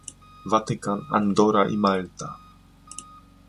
Watykan, Andora i Malta